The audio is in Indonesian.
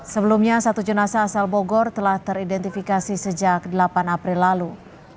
sebelumnya satu jenazah asal bogor telah teridentifikasi sejak delapan april lalu